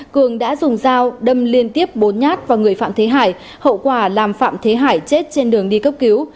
cường đã dùng dao đâm liên tiếp bốn nhát vào người phạm thế hải hậu quả làm phạm thế hải chết trên đường đi cấp cứu